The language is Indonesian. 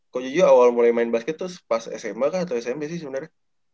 ko jojo awal mulai main basket terus pas sma kah atau smp sih sebenernya